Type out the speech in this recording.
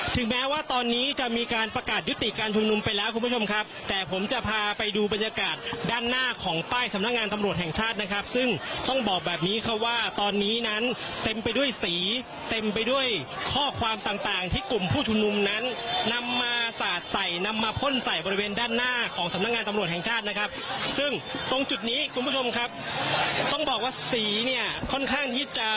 ถึงแม้ว่าตอนนี้จะมีการประกาศยุติการชุมนุมไปแล้วคุณผู้ชมครับแต่ผมจะพาไปดูบรรยากาศด้านหน้าของใต้สำนักงานตำรวจแห่งชาตินะครับซึ่งต้องบอกแบบนี้ค่ะว่าตอนนี้นั้นเต็มไปด้วยสีเต็มไปด้วยข้อความต่างต่างที่กลุ่มผู้ชุมนุมนั้นนำมาสะใส่นำมาพ่นใส่บริเวณด้านหน้าของสำนักง